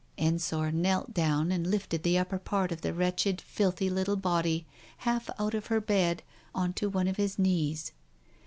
Ensor knelt down and lifted the upper part of the wretched, filthy little body half out of her bed on to one of his knees.